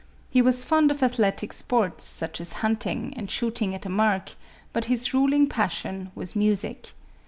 He was fond of ath letic sports, such as hunting and shooting at a mark, but his ruling passion was music.